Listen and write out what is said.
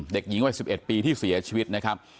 เด็กหญิงวัย๑๑ปีที่เสียชีวิตนะครับ